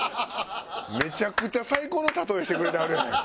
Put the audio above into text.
めちゃくちゃ最高の例えしてくれてはるやないか。